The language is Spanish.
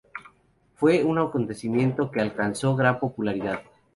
Fue un acontecimiento que alcanzó gran popularidad.